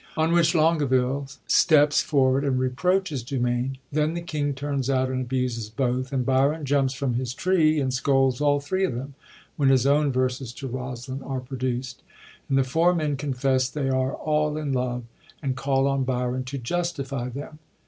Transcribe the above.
On which, Longaville sleeps forward and reproaches Dumain; then the king turns out and ahuses hoth ; and Biron jumps from his tree and scolds all three of them, when his own verses to Rosaline are produced ; and the four men confess they are all in love, and call on Biron to justify them.